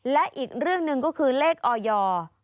และอีกเรื่องหนึ่งก็คือเลขออย